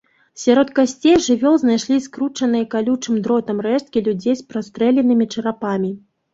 Сярод касцей жывёл знайшлі скручаныя калючым дротам рэшткі людзей з прастрэленымі чарапамі.